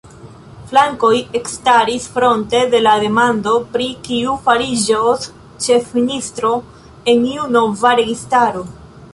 Flankoj ekstaris fronte de la demando pri kiu fariĝos ĉefministro en iu nova registaro.